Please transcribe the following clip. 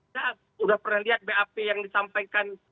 saya sudah pernah lihat bap yang disampaikan